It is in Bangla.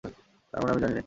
তার মানে আমি জানি নে।